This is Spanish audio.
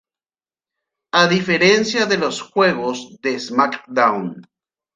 A diferencia de los juegos de "Smackdown!